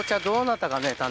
どうなったかね？